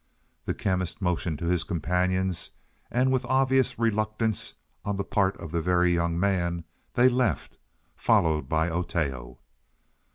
The Chemist motioned to his companions, and with obvious reluctance on the part of the Very Young Man they left, followed by Oteo.